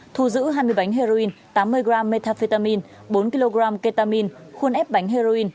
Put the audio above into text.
thù giữ hai mươi bánh heroin tám mươi g metafetamine bốn kg ketamine khuôn ép bánh heroin